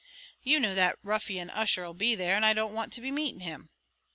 "You know that ruffian Ussher 'll be there; and I don't want to be meeting him."